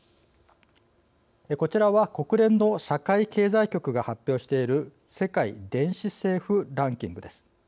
こちらは、国連の社会経済局が発表している世界電子政府ランキングです。